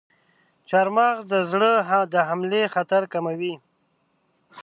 چارمغز د زړه د حملې خطر کموي.